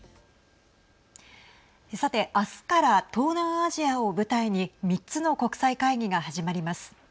さて、明日から東南アジアを舞台に３つの国際会議が始まります。